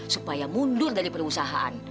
supaya mundur dari perusahaan